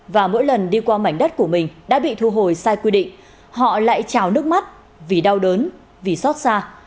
và mỗi lần đi qua mảnh đất của mình đã bị thu hồi sai quy định họ lại trào nước mắt vì đau đớn vì xót xa